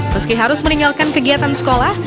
meski harus meninggalkan kegiatan sekolah